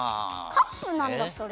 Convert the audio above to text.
カップなんだそれ。